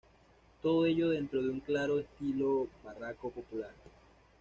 Todo ello dentro de un claro estilo barroco popular.